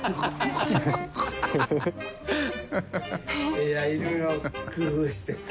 いやいろいろ工夫して。